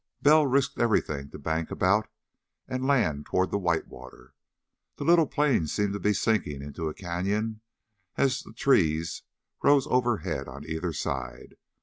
Bell risked everything to bank about and land toward the white water. The little plane seemed to be sinking into a canyon as the trees rose overhead on either side.